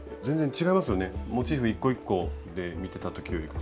モチーフ一個一個で見てた時よりか。